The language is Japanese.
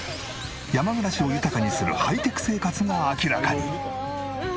山暮らしを豊かにするハイテク生活が明らかに。